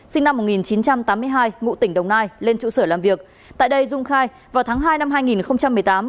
sinh năm một nghìn chín trăm tám mươi hai ngụ tỉnh đồng nai lên trụ sở làm việc tại đây dung khai vào tháng hai năm hai nghìn một mươi tám